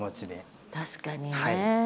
確かにね。